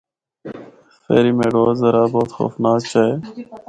Ferry Meadows دا راہ بہت خوفناک جا ہے۔